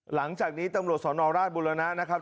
หลังจากนี้ตำรวจสนราชบุรณะนะครับ